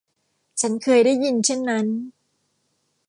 ฉันเคยได้ยินเช่นนั้น